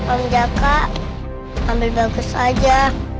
om jaka ambil bagus aja